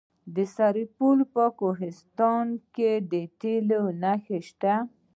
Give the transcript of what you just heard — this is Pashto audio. د سرپل په کوهستانات کې د تیلو نښې شته.